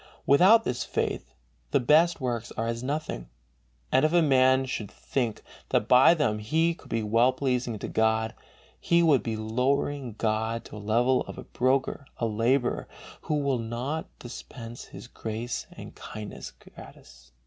Without this faith the best works are as nothing, and if man should think that by them he could be well pleasing to God, he would be lowering God to the level of a "broker or a laborer who will not dispense his grace and kindness gratis."